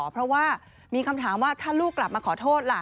เพราะว่ามีคำถามว่าถ้าลูกกลับมาขอโทษล่ะ